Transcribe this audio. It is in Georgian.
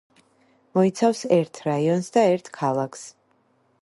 მოიცავს ერთ რაიონს და ერთ ქალაქს.